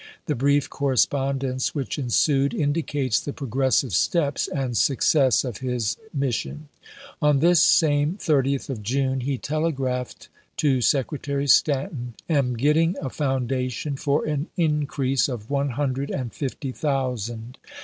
The brief correspon dence which ensued indicates the progressive steps and success of his mission. On this same 30th of June he telegraphed to Secretary Stanton: "Am getting a foundation for an increase of one hundred and fifty thousand.